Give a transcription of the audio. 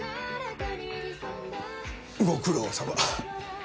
ご苦労さま。